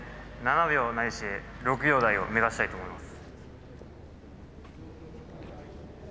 ７秒ないし６秒台を目指したいと思います。